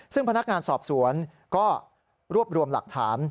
ซึ่งพนักงานสอบสวนก็รวบรวมหลักฐาน